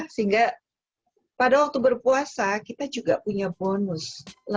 sehingga pada waktu berpuasa kita juga punya bonus